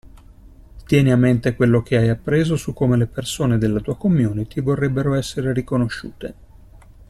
Tieni a mente quello che hai appreso su come le persone nella tua community vorrebbero essere riconosciute.